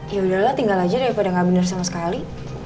yaudahlah tinggal aja daripada nggak benar sama sekali